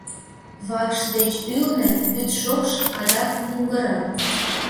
Вакш деч ӱлнӧ вӱд шокш адак мугыран.